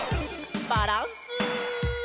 バランス。